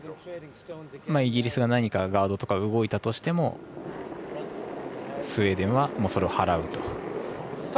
イギリスがガードとか動いたとしてもスウェーデンはそれを払うと。